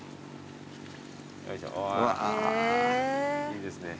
いいですね。